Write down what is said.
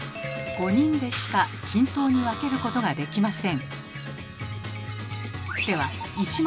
３人でしか均等に分けることができません。